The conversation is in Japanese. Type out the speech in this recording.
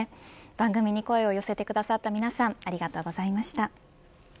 番組に声を寄せてくださった皆さんありがとうございました。